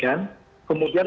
kemudian masakan istrinya ini